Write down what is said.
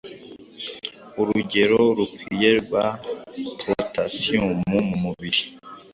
Urugero rukwiye rwa potasiyumu mu mubiri